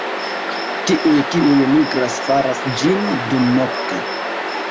Tiuj kiuj migras faras ĝin dumnokte.